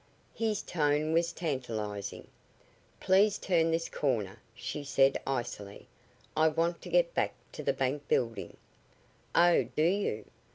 His tone was tantalizing. "Please turn this corner," she said icily. "I want to get back to the bank building." "Oh, do you?